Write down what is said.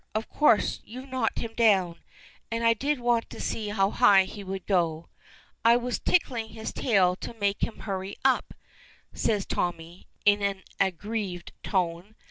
Of course you've knocked him down, and I did want to see how high he would go. I was tickling his tail to make him hurry up," says Tommy, in an aggrieved tone.